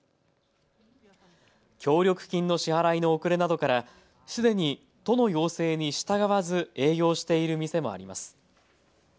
協力金の支払いの遅れなどからすでに都の要請に従わず営業している店もあります。